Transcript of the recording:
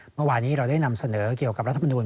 มันวานี้เราได้นำเสนอเกี่ยวกับรัฐบาลภาคฯ